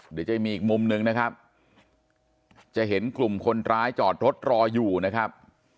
เดี๋ยวจะมีอีกมุมหนึ่งนะครับจะเห็นกลุ่มคนร้ายจอดรถรออยู่นะครับ